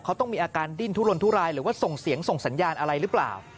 เขาต้องมีอาการดิ้นทุลนทุรายหรือว่าส่งเสียงส่งสัญญาณอะไรหรือเปล่า